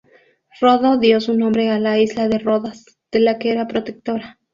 Rodo dio su nombre a la isla de Rodas, de la que era protectora.